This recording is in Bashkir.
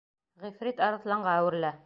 Ғифрит арыҫланға әүерелә: